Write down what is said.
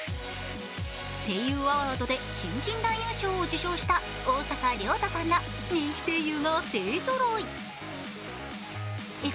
声優アワードで新人男優賞を受賞した逢坂良太さんら人気声優が勢揃い。